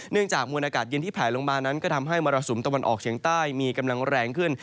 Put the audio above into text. จากมวลอากาศเย็นที่แผลลงมานั้นก็ทำให้มรสุมตะวันออกเฉียงใต้มีกำลังแรงขึ้น